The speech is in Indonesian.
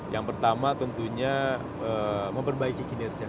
yang pertama tentunya memperbaiki kinerja